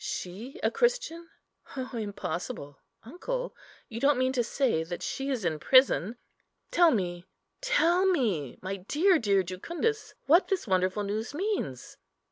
She a Christian! oh, impossible, uncle! you don't mean to say that she is in prison. Tell me, tell me, my dear, dear Jucundus, what this wonderful news means."